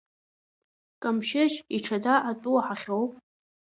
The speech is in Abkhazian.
Камшьышь иҽада атәы уаҳахьоу?